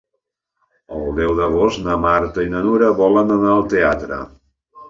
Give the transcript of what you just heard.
El deu d'agost na Marta i na Nura volen anar al teatre.